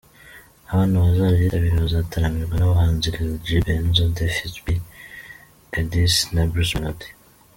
Abana bazaryitabira bazataramirwa n’abahanzi Lil G, Benzo, Davys B, Edouce na Bruce Melody.